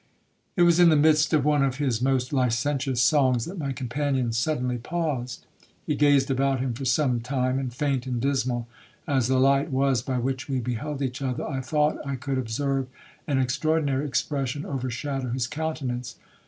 'It was in the midst of one of his most licentious songs, that my companion suddenly paused. He gazed about him for some time; and faint and dismal as the light was by which we beheld each other, I thought I could observe an extraordinary expression overshadow his countenance.